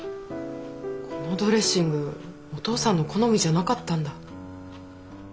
このドレッシングお父さんの好みじゃなかったんだ。